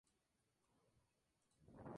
Las cosas anteriores han pasado"".